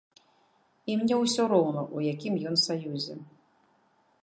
І мне ўсё роўна, у якім ён саюзе.